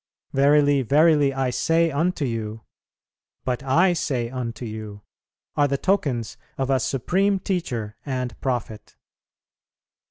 'Verily, verily, I say unto you,' 'But, I say unto you,' are the tokens of a supreme Teacher and Prophet.